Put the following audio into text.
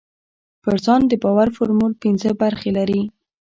پر ځان د باور فورمول پينځه برخې لري.